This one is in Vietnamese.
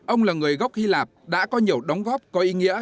ông là người gốc hy lạp đã có nhiều đóng góp có ý nghĩa